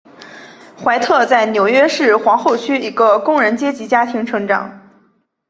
怀特在纽约市皇后区一个工人阶级家庭成长。